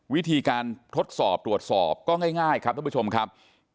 วิธีการทดสอบตรวจสอบตรวจสอบก็ง่ายครับท่านผู้ชมครับ